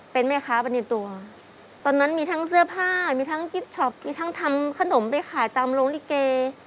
เป็นแม่ค้าไปในตัวตอนนั้นมีทั้งเสื้อผ้ามีทั้งกิฟต์ช็อปมีทั้งทำขนมไปขายตามโรงลิเก